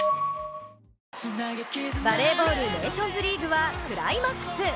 バレーボール、ネーションズリーグはクライマックス。